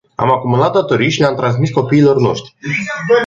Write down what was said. Am acumulat datorii și le-am transmis copiilor noștri.